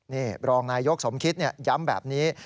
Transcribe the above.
นี่รองนายยกสมคิดย้ำแบบนี้